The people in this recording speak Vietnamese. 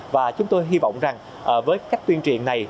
và chúng tôi hy vọng rằng với cách tuyên truyền này